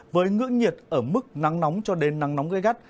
với ngưỡng nhiệt ở mức nắng nóng cho đến nắng nóng gây gắt